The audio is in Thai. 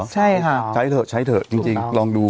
ใช่ค่ะใช้เถอะใช้เถอะจริงลองดู